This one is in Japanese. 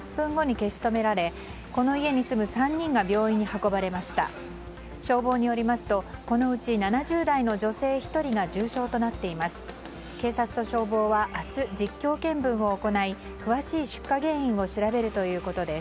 消防によりますとこのうち７０代の女性１人が重傷となっています。